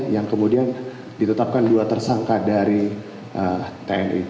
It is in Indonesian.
yang kemudian ditetapkan dua tersangka dari tni